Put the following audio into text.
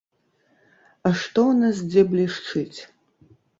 А што ў нас дзе блішчыць?